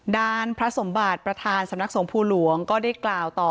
ด้านพระสมบัติประธานสำนักสงภูหลวงก็ได้กล่าวต่อ